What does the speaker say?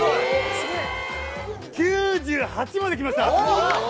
９８まできました。